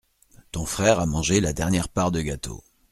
Ton frère a mangé la dernière part de gâteau.